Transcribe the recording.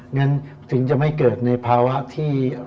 งั้นถึงจะไม่เกิดในภาวะที่